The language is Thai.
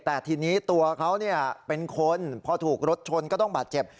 แต่ทีนี้ตัวเขาเป็นคนพอถูกรถชนก็ต้องบาดเจ็บ